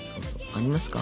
ありますか？